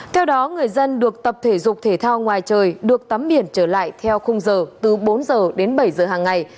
theo đó người dân được tập thể dục thể thao ngoài trời được tắm biển trở lại theo khung giờ từ bốn h đến bảy giờ hàng ngày